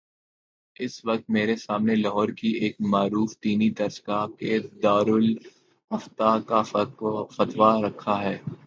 اس وقت میرے سامنے لاہور کی ایک معروف دینی درس گاہ کے دارالافتاء کا فتوی رکھا ہے۔